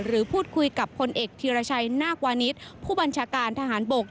หรือพูดคุยกับพลเอกธีรชัยนาควานิสผู้บัญชาการทหารบก